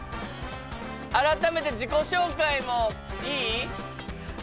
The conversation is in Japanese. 改めて自己紹介もいい？